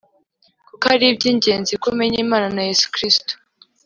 Kuki ari iby ingenzi ko umenya Imana na Yesu Kristo